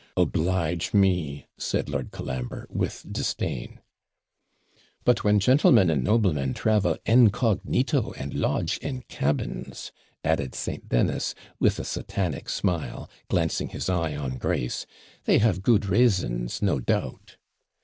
'Oblige me!' said Lord Colambre, with disdain. 'But when gentlemen and noblemen travel INCOGNITO, and lodge in cabins,' added St. Dennis, with a satanic smile, glancing his eye on Grace, 'they have good reasons, no doubt.'